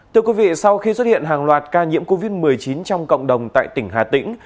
thưa quý vị sau khi xuất hiện hàng loạt ca nhiễm covid một mươi chín trong cộng đồng tại tỉnh hà tĩnh